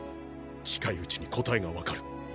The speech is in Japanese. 近い内に答えがわかる。